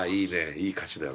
いい歌詞だね。